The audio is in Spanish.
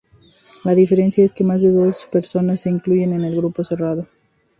La diferencia es que más de dos personas se incluyen en el grupo cerrado.